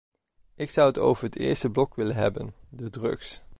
Ik zou het over het eerste blok willen hebben, de drugs.